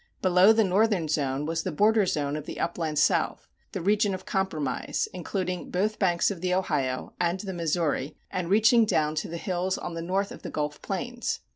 Below the Northern zone was the border zone of the Upland South, the region of compromise, including both banks of the Ohio and the Missouri and reaching down to the hills on the north of the Gulf Plains.